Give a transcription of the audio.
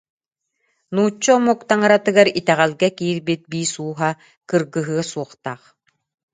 Нуучча омук таҥаратыгар итэҕэлгэ киирбит биис ууһа кыргыһыа суохтаах